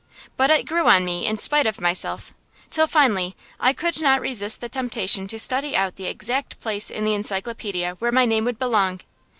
But it grew on me in spite of myself, till finally I could not resist the temptation to study out the exact place in the encyclopædia where my name would belong.